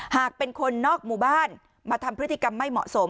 หากเป็นคนนอกหมู่บ้านมาทำพฤติกรรมไม่เหมาะสม